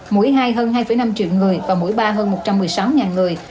mũi hai hơn hai năm triệu người và mũi ba hơn một trăm một mươi sáu người